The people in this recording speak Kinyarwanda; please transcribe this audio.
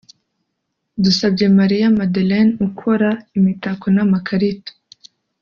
Dusabyemariya Madeleine ukora imitako n’ amakarita